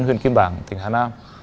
huyền kim bảng tỉnh hà nam